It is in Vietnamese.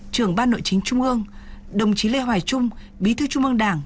trưởng ban nội chính trung ương đồng chí lê hoài trung bí thư trung ương đảng